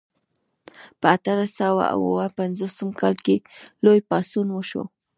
په اتلس سوه او اووه پنځوسم کال کې لوی پاڅون وشو.